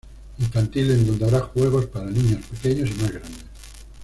Infantil en donde habrá juegos para niños pequeños y más grandes.